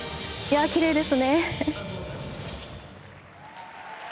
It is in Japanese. きれいですね。